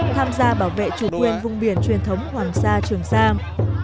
tham gia bảo vệ chủ quyền vùng biển truyền thống hoàng sa trường sa